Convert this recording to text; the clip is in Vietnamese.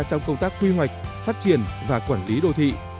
trong công tác quy hoạch phát triển và quản lý đô thị